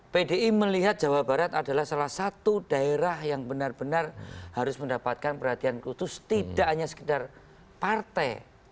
pdi melihat jawa barat adalah salah satu daerah yang benar benar harus mendapatkan perhatian khusus tidak hanya sekedar partai